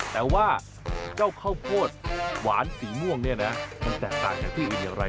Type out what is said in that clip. แต่ว่าเจ้าข้าวโพดหวานสีม่วงเนี่ยนะมันแตกต่างจากที่อื่นอย่างไร